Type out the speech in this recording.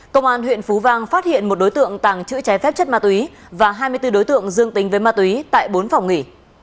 công an huyện phú vang phát hiện một đối tượng tàng trữ trái phép chất ma túy và hai mươi bốn đối tượng dương tính với ma túy tại bốn phòng nghỉ